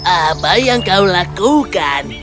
apa yang kau lakukan